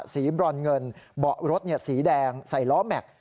บรอนเงินเบาะรถสีแดงใส่ล้อแม็กซ์